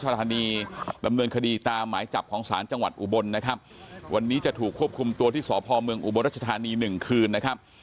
ยังมีรำเนินคดีตามหมาจับของศาลจังหวัดอุบลวันนี้จะถูกควบคุมตัวที่สพอุบรัชธานี๑คืน